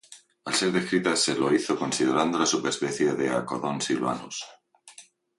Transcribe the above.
Al ser descrita se lo hizo considerándola subespecie de "Akodon sylvanus".